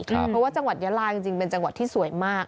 เพราะว่าจังหวัดยาลาจริงเป็นจังหวัดที่สวยมาก